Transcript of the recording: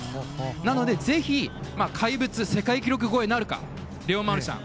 なので、ぜひ怪物、世界記録超えなるかレオン・マルシャン。